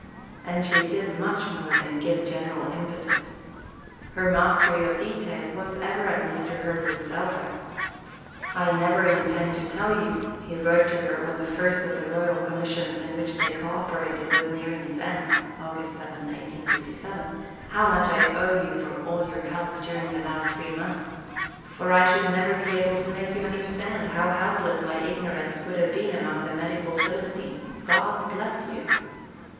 And she did much more than give general impetus. Her mastery of detail was ever at Mr. Herbert's elbow. "I never intend to tell you," he wrote to her when the first of the Royal Commissions in which they co operated was nearing its end (August 7, 1857), "how much I owe you for all your help during the last three months, for I should never be able to make you understand how helpless my ignorance would have been among the Medical Philistines. God bless you!"